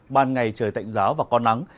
ban ngày trời tạnh giáo và có nắng